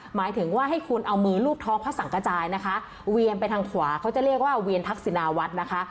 หมายถึงว่าให้คุณเอามือรูปท้องพระสังกระจายนะคะเวียนไปทางขวาเขาจะเรียกว่าเวียนทักษินาวัดนะคะ